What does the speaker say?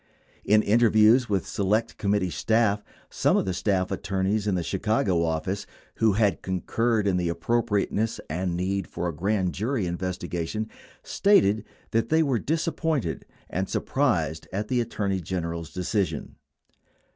In interviews with Select Committee staff, some of the staff attorneys in the Chicago office who had concurred in the appropriateness and need for a grand jury investigation stated that they were disappointed and surprised at the Attorney General's decision.